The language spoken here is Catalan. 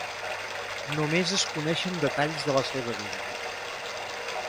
Només es coneixen detalls de la seva vida.